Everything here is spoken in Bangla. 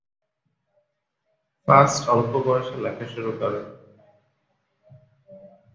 ফাস্ট অল্প বয়সে লেখা শুরু করেন।